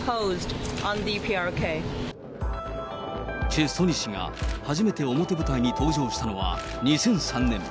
チェ・ソニ氏が初めて表舞台に登場したのは２００３年。